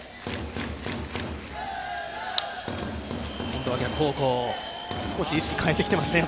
今度は逆方向、少し意識変えてきてますね。